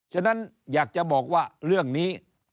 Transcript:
ฉะนั้นอยากจะบอกว่าเรื่องนี้